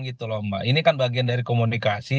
gitu loh mbak ini kan bagian dari komunikasi